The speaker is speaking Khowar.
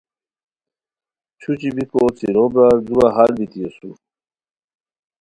چھوچھی بیکو څیرو برار دورا ہال بیتی اسور